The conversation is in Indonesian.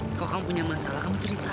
kalau kamu punya masalah kamu cerita sama aku